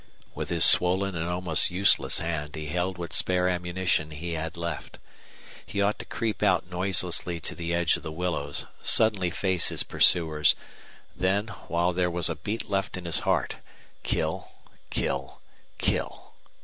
With his swollen and almost useless hand he held what spare ammunition he had left. He ought to creep out noiselessly to the edge of the willows, suddenly face his pursuers, then, while there was a beat left in his heart, kill, kill, kill.